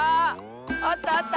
あったあった！